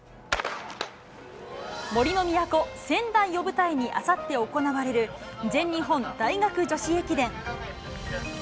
杜の都、仙台を舞台にあさって行われる、全日本大学女子駅伝。